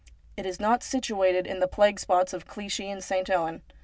It is not situated in the plague spots of Clichy and St. Ouen.